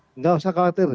tidak usah khawatir